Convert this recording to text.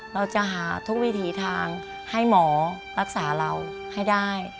เราจะหาทุกวิถีทางให้หมอรักษาเราให้ได้